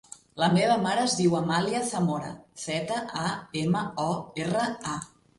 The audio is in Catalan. La meva mare es diu Amàlia Zamora: zeta, a, ema, o, erra, a.